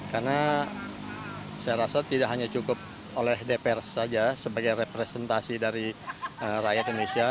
karena saya rasa tidak hanya cukup oleh dpr saja sebagai representasi dari rakyat indonesia